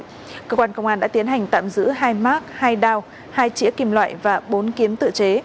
cơ quan công an đã tiến hành tạm giữ hai mác hai đao hai chĩa kim loại và bốn kiếm tự chế